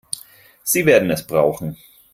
Sie werden es brauchen.